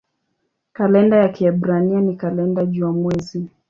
Kalenda ya Kiebrania ni kalenda jua-mwezi.